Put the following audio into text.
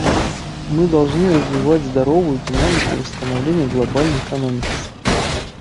Мы должны развивать здоровую динамику восстановления глобальной экономики.